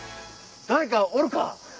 誰かおるか？